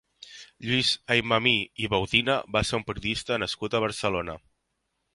Lluís Aymamí i Baudina va ser un periodista nascut a Barcelona.